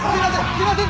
すいません！